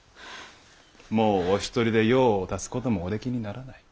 もうお一人で用を足すこともおできにならない。